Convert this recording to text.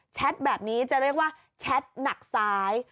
แบบนี้จะเรียกว่าแชทหนักซ้าย